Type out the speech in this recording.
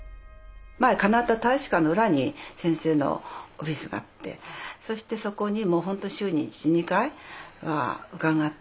カナダ大使館の裏に先生のオフィスがあってそしてそこにもう本当に週に１２回は伺って。